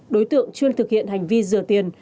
đối tượng chuyên thực hiện hành vi dừa tiền